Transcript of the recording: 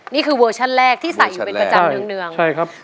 นี่คือเวอร์ชันแรกที่ใส่อยู่เป็นประจำเนื่องเนื่องใช่ครับ